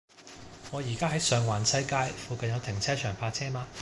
我依家喺上環西街，附近有停車場泊車嗎